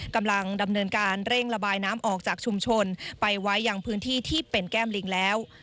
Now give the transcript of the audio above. กำลังดำเนินการเร่งระบายน้ำออกจากชุมชนไปไว้อย่างพื้นที่ที่เป็นแก้มลิงแล้ว